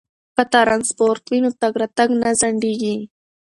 که ترانسپورت وي نو تګ راتګ نه ځنډیږي.